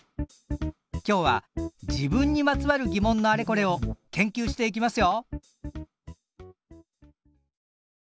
今日は自分にまつわる疑問のあれこれを研究していきますよ！